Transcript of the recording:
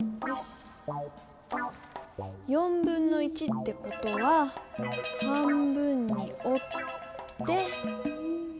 1/4ってことは半分におって。